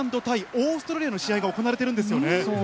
オーストラリアの試合が行われていそうですね。